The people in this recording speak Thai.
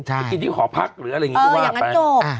ไปกินที่หอพักหรืออะไรอย่างนี้ก็ว่าไป